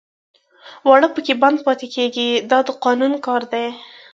واړه پکې بند پاتې کېږي دا د قانون حال دی.